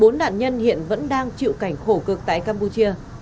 bốn nạn nhân hiện vẫn đang chịu cảnh khổ cực tại campuchia